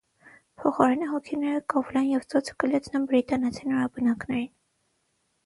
Փոխարենը հոգիները կավլեն և ծովը կլցնեն բրիտանացի նորաբնակներին։